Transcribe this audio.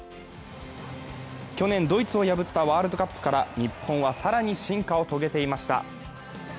去年、ドイツを破ったワールドカップから日本は更に進化を遂げていました。